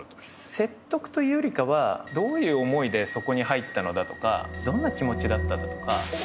説得というよりかはどういう思いでそこに入ったのだとかどんな気持ちだったとか。